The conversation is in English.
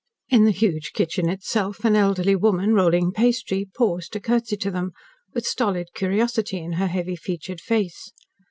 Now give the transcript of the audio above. In the huge kitchen itself, an elderly woman, rolling pastry, paused to curtsy to them, with stolid curiosity in her heavy featured face.